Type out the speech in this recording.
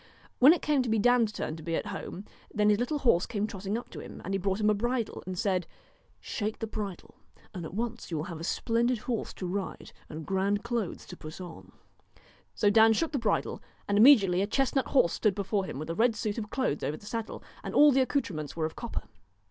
When it came to Dan's turn to be at home, then his little horse came trotting up to him, and he brought him a bridle, and said :* Shake the bridle 137 DON'T and at once you will have a splendid horse to ride KNOW and grand clothes to put on.' So Dan shook the bridle, and immediately a chest nut horse stood before him with a red suit of clothes over the saddle, and all the accoutrements were of copper.